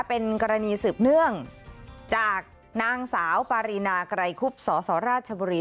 เป็นกรณีสืบเนื่องจากนางสาวปารีนาไกรคุบสสราชบุรี